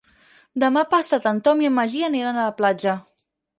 Demà passat en Tom i en Magí aniran a la platja.